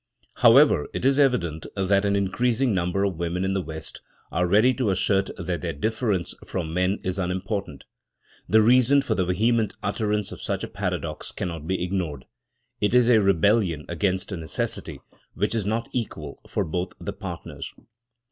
However, it is evident that an increasing number of women in the West are ready to assert that their difference from men is unimportant. The reason for the vehement utterance of such a paradox cannot be ignored. It is a rebellion against a necessity, which is not equal for both the partners.